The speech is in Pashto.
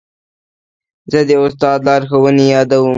زه د استاد لارښوونې یادوم.